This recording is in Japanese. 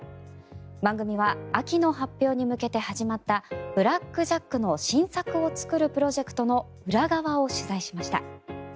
番組は秋の発表に向けて始まった「ブラック・ジャック」の新作を作るプロジェクトの裏側を取材しました。